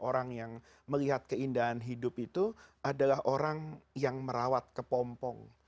orang yang melihat keindahan hidup itu adalah orang yang merawat kepompong